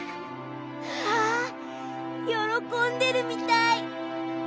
わあよろこんでるみたい！